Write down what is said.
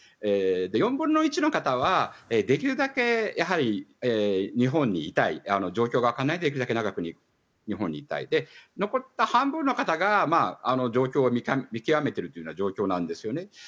４分の１の方はできるだけ日本にいたい状況がかなえば日本にいたい残った半分の方が状況を見極めているという状況なんですね。